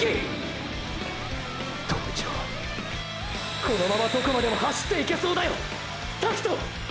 塔一郎このままどこまでも走っていけそうだよ拓斗！！